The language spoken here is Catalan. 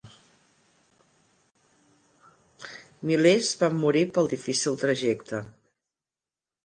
Milers van morir pel difícil trajecte.